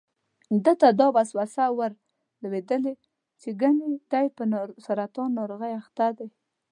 ده ته دا وسوسه ور لوېدلې چې ګني دی په سرطان ناروغۍ اخته دی.